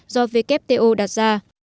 do vkto đặt ra